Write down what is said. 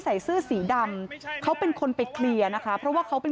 ใส่เสื้อสีดำเขาเป็นคนไปเคลียร์นะคะเพราะว่าเขาไป